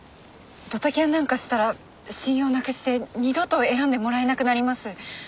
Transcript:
ドタキャンなんかしたら信用なくして二度と選んでもらえなくなります。